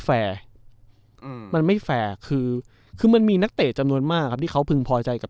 แฟร์อืมมันไม่แฟร์คือคือมันมีนักเตะจำนวนมากครับที่เขาพึงพอใจกับ